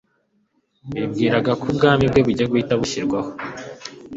bibwiraga ko ubwami bwe bugiye guhita bushyirwaho.